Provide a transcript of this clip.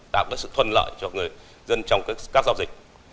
đã có sự thuân lợi cho dân trong các giao dịch